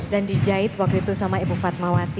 dan dijahit waktu itu sama ibu fatmawati